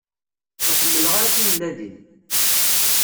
Ur ḥemmleɣ ara timellalin.